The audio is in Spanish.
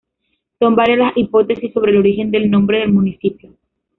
Son varias las hipótesis sobre el origen del nombre del municipio.